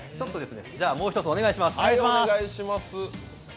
もう１つ、お願いします。